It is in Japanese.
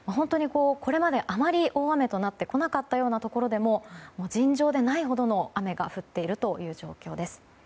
これまであまり大雨となってこなかったようなところでも尋常でないほどの雨が降っている状況です。